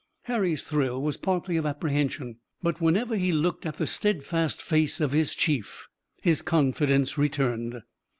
Harry's thrill was partly of apprehension, but whenever he looked at the steadfast face of his chief his confidence returned.